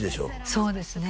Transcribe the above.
そうですね